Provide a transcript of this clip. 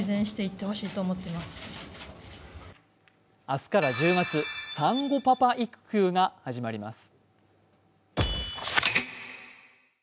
明日から１０月、産後パパ育休が始まります。